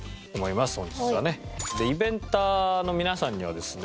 イベンターの皆さんにはですね